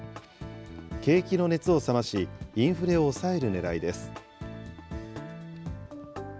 景気の熱を冷まし、インフレを抑えるねらいです。